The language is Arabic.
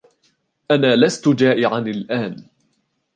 أنا لست جائعا الآن.